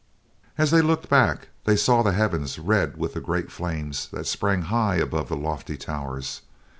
As they looked back, they saw the heavens red with the great flames that sprang high above the lofty towers.